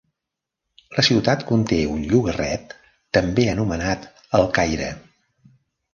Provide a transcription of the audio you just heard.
La ciutat conté un llogarret també anomenat El Caire.